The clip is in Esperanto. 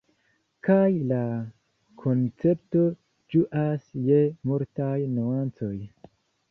Kaj la koncepto ĝuas je multaj nuancoj.